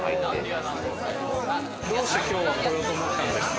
どうして、きょうは来ようと思ったんですか？